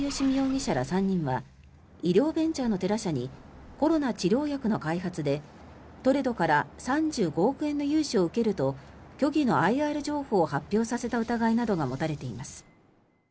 己容疑者ら３人は医療ベンチャーのテラ社にコロナ治療薬の開発でトレドから３５億円の融資を受けると虚偽のＩＲ情報を発表させた疑いなどが持たれています。